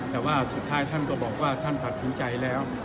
แต่ว่าสุดท้ายท่านก็บอกว่าท่านตัดสินใจแล้ว